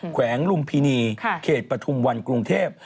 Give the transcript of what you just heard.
แวงลุมพินีเขตปฐุมวันกรุงเทพ